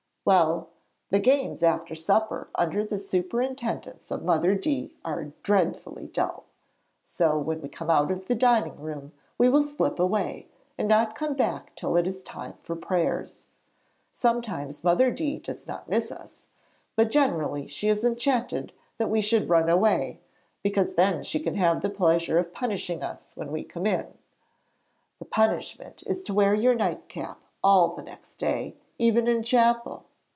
'Well, the games after supper under the superintendence of Mother D. are dreadfully dull. So when we come out of the dining room we will slip away, and not come back till it is time for prayers. Sometimes Mother D. does not miss us, but generally she is enchanted that we should run away, because then she can have the pleasure of punishing us when we come in. The punishment is to wear your nightcap all the next day, even in chapel.